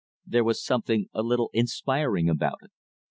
There was something a little inspiring about it.